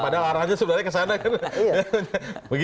padahal arahannya sebenarnya kesana kan